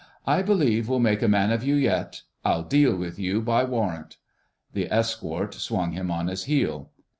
I believe we'll make a man of you yet. I'll deal with you by warrant." The escort swung him on his heel.